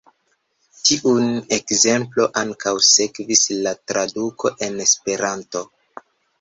Tiun ekzemplon ankaŭ sekvis la traduko en esperanto.